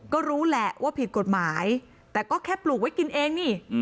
ก็รู้แหละว่าผิดกฎหมายแต่ก็แค่ปลูกไว้กินเองนี่